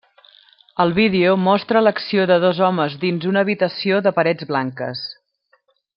El vídeo mostra l'acció de dos homes dins una habitació de parets blanques.